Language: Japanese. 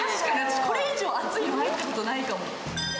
これ以上熱いの入ったことないかも。